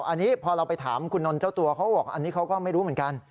อันนี้พอเราไปถามคุณนนท์เจ้าตัวเขาบอกอันนี้เขาก็ไม่รู้เหมือนกัน